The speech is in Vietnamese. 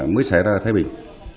mới xảy ra thái bình